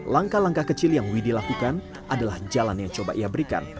langkah langkah kecil yang widhi lakukan adalah jalan yang coba ia berikan